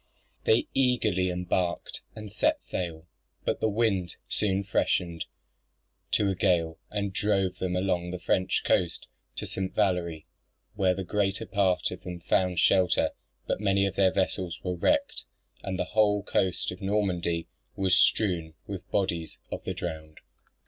They eagerly embarked, and set sail; but the wind soon freshened to a gale, and drove them along the French coast to St. Valery, where the greater part of them found shelter; but many of their vessels were wrecked and the whole coast of Normandy was strewn with the bodies of the drowned.